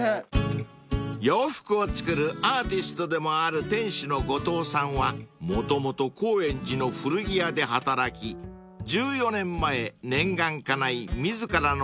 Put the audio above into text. ［洋服を作るアーティストでもある店主の後藤さんはもともと高円寺の古着屋で働き１４年前念願かない自らの店をオープン］